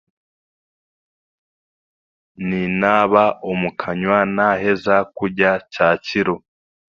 Ninaaba omukanywa naaheza kurya kyakiro.